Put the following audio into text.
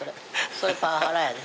それパワハラやで。